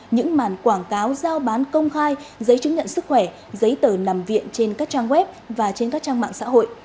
những màn quảng cáo giao bán công khai giấy chứng nhận sức khỏe giấy tờ nằm viện trên các trang web và trên các trang mạng xã hội